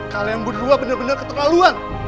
kalian berdua bener bener ketekaluan